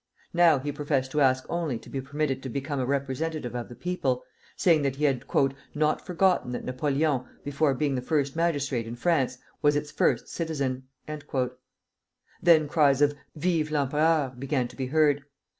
Now he professed to ask only to be permitted to become a representative of the people, saying that he had "not forgotten that Napoleon, before being the first magistrate in France, was its first citizen." Then cries of "Vive l'empereur!" began to be heard.